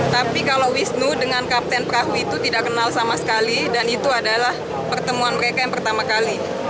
tapi kalau wisnu dengan kapten perahu itu tidak kenal sama sekali dan itu adalah pertemuan mereka yang pertama kali